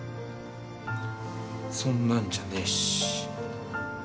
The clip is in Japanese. そんなんじゃねえし。